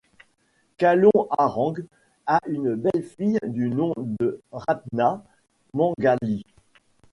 Calon Arang a une belle fille du nom de Ratna Manggali.